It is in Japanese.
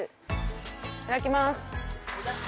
いただきます。